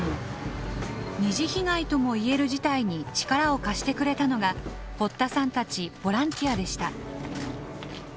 ２次被害とも言える事態に力を貸してくれたのが堀田さんたちボランティアでした。